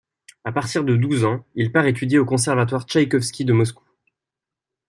À partir de douze ans, il part étudier au Conservatoire Tchaïkovski de Moscou.